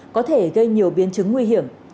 có thể gây nhiều biến chứng nguy hiểm